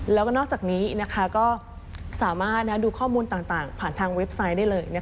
แล้วก็นอกจากนี้ก็สามารถดูข้อมูลต่างผ่านทางเว็บไซต์ได้เลย